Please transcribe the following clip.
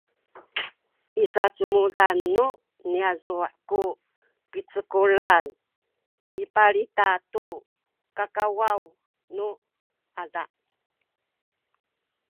i sacumudan nu niyazu’ ku picekulan mipalita tu kakawaw nu ada